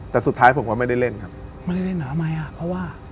แต่สุดท้ายผมก็ไม่ได้เล่นครับไม่ได้เล่นหนามัยอ่ะเพราะว่า